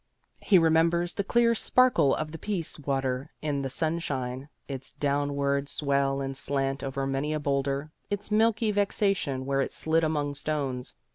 He remembers the clear sparkle of the Peace water in the sunshine, its downward swell and slant over many a boulder, its milky vexation where it slid among stones.